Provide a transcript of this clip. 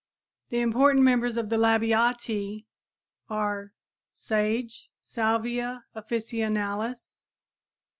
The important members of the Labiatæ are: Sage (Salvia officinalis, Linn.).